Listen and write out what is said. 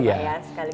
sekali bersahur ini